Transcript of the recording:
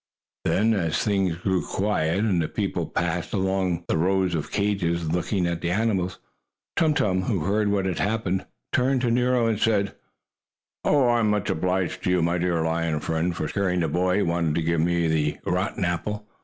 Then, as things grew quiet and the people passed along the row of cages, looking at the animals, Tum Tum, who heard what had happened, turned to Nero and said: "I'm much obliged to you, my dear lion friend, for scaring the boy who wanted to give me the rotten apple.